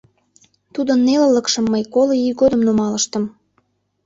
Тудын нелылыкшым мый коло ий годым нумалыштым.